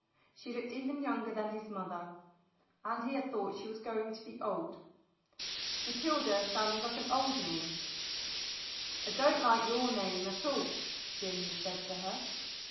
She looked even younger than his mother, and he had thought she was going to be old. Matilda sounded like an old name. I don't like your name at all," Jim said to her.